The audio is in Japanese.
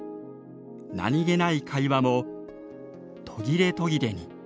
何気ない会話も途切れ途切れに。